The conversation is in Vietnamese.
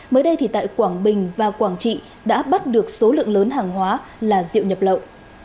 mới đây thì tại quảng bình và quảng trị đã bắt được số lượng lớn hàng hóa là rượu nhập lậu